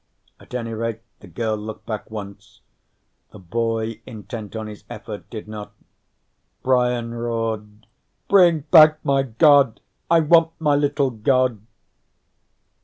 At any rate, the girl looked back once. The boy, intent on his effort, did not. Brian roared: "Bring back my god! I want my little god!"